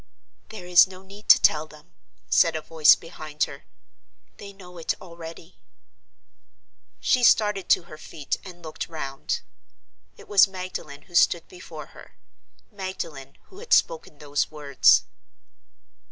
"There is no need to tell them," said a voice behind her. "They know it already." She started to her feet and looked round. It was Magdalen who stood before her—Magdalen who had spoken those words.